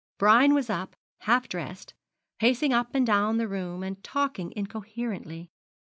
Brian was up, half dressed, pacing up and down the room, and talking incoherently.